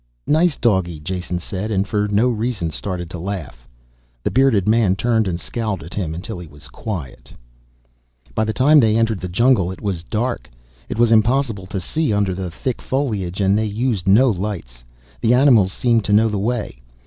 "Nice doggy!" Jason said, and for no reason started to laugh. The bearded man turned and scowled at him until he was quiet. By the time they entered the jungle it was dark. It was impossible to see under the thick foliage, and they used no lights. The animals seemed to know the way.